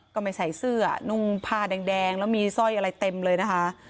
ก็ไม่ใส่เสื้อนุ่งผ้าแดงแล้วมีสร้อยอะไรเต็มเลยนะคะ